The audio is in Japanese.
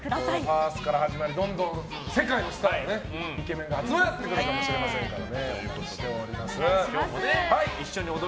パースから始まりどんどん世界のスターがイケメンが集まってくるかもしれませんので。